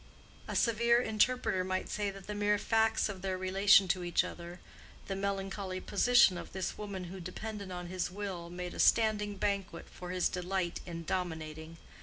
A severe interpreter might say that the mere facts of their relation to each other, the melancholy position of this woman who depended on his will, made a standing banquet for his delight in dominating.